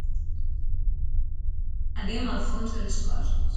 Anem al fons de les coses.